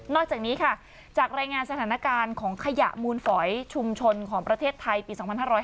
อกจากนี้ค่ะจากรายงานสถานการณ์ของขยะมูลฝอยชุมชนของประเทศไทยปี๒๕๕๙